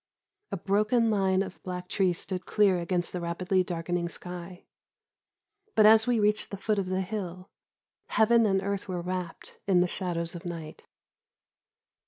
A broken line of black trees stood clear against the rapidly darkening sky, but, as we reached the foot of the hill, heaven and earth were wrapped in the shadows of night.